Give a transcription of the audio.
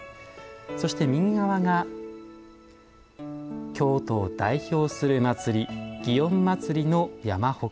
そして右側が京都を代表する祭り園祭の山鉾菊水鉾です。